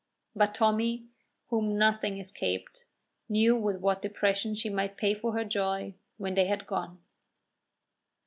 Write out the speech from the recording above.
But Tommy, whom nothing escaped, knew with what depression she might pay for her joy when they had gone.